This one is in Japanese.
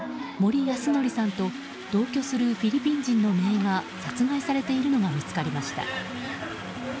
モリ・ヤスノリさんと同居するフィリピン人のめいが殺害されているのが見つかりました。